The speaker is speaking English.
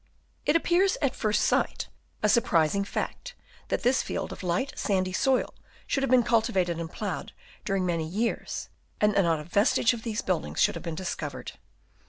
It appears at first sight a surprising fact that this field of light sandy soil should have been cultivated and ploughed during many years, and that not a vestige of these buildings should have been discovered.